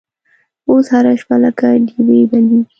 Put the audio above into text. اوس هره شپه لکه ډیوې بلیږې